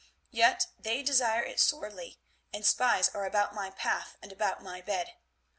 Yet they desire it sorely, and spies are about my path and about my bed.